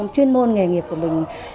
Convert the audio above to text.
chuyên môn nghề nghiệp của mình